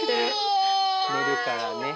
寝るからね。